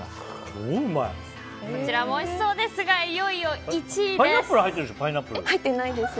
こちらもおいしそうですがいよいよ１位です。